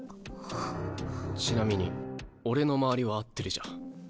ちなみに俺の周りは合ってるじゃ。